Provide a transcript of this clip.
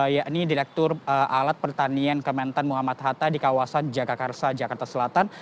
yakni direktur alat pertanian kementan muhammad hatta di kawasan jagakarsa jakarta selatan